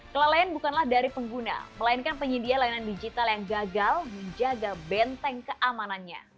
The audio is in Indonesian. kelalaian bukanlah dari pengguna melainkan penyedia layanan digital yang gagal menjaga benteng keamanannya